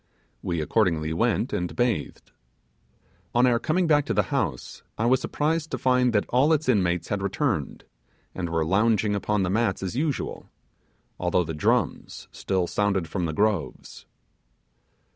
We accordingly went, and bathed. On our coming back to the house, I was surprised to find that all its inmates had returned, and were lounging upon the mats as usual, although the drums still sounded from the groves.